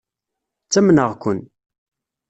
Ttamneɣ-ken.